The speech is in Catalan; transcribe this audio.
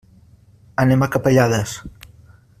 Anem a Capellades.